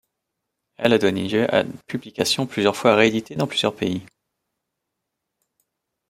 Elle a donné lieu à une publication plusieurs fois rééditée dans plusieurs pays.